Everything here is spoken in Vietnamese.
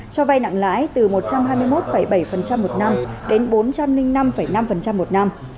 cho vay nặng lãi từ một trăm hai mươi một bảy một năm đến bốn trăm linh năm năm một năm